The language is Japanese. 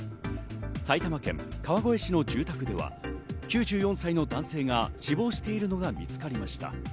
埼玉県川越市の住宅では、９４歳の男性が死亡しているのが見つかりました。